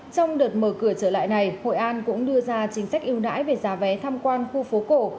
trong đợt mở cửa trở lại này hội an cũng đưa ra chính sách yêu đãi về giá vé tham quan khu phố cổ